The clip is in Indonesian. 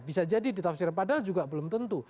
bisa jadi ditafsir padahal juga belum tentu